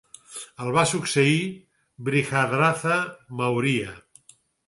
El va succeir Brihadratha Maurya.